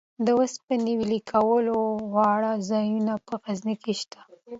د اوسپنې ویلې کولو واړه ځایونه په غزني کې شته.